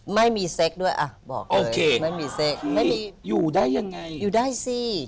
ไม่มีด้วยอะบอกเลยไม่มีไม่มีอยู่ได้ยังไงอยู่ได้สิ